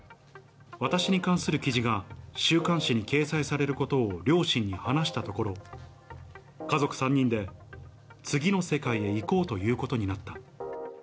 私に関する記事が、週刊誌に掲載されることを両親に話したところ、家族３人で次の世界へ行こうということになった。